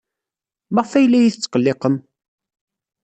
Maɣef ay la iyi-tesqelliqem?